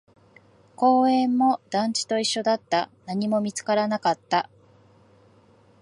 公園も団地と一緒だった、何も見つからなかった